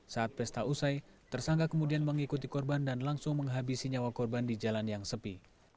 saat pesta usai tersangka kemudian mengikuti korban dan langsung menghabisi nyawa korban di jalan yang sepi